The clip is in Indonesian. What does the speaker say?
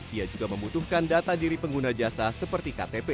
ia juga membutuhkan data diri pengguna jasa seperti ktp